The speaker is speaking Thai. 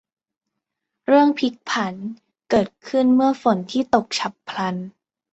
เรื่องพลิกผันเกิดขึ้นเหมือนฝนที่ตกฉับพลัน